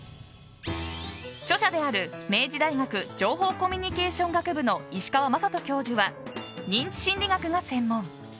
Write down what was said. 著者である、明治大学情報コミュニケーション学部の石川幹人教授は認知心理学が専門。